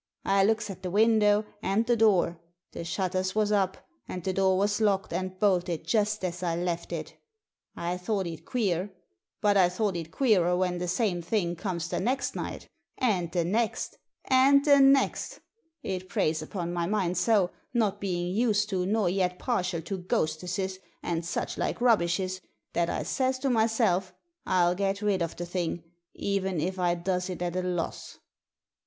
I looks at the window and the door. The shutters was up, and the door was locked and bolted just as I left it I thought it queer; but I thought it queerer when the same thing comes the next night, and the next, and the next It preys upon my mind so, not being used to nor yet partial to ghostesses and such like rubbishes, that I says to myself, I'll get rid of the thing, even if I does it at a loss."